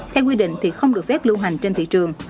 theo quy định thì không được phép lưu hành trên thị trường